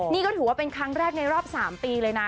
นี่ก็ถือว่าเป็นครั้งแรกในรอบ๓ปีเลยนะ